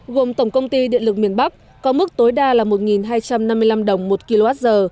gồm tổng công ty điện lực miền bắc có mức tối đa là một hai trăm năm mươi năm đồng một kwh